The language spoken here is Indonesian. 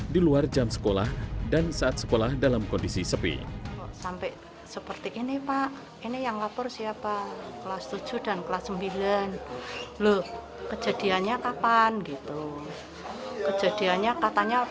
dilakukan oleh smp negeri satu geringsing kabupaten batang